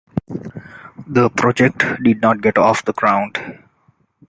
The project did not get off the ground.